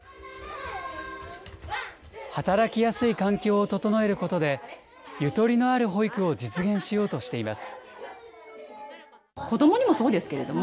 働きやすい環境を整えることで、ゆとりのある保育を実現しようとしています。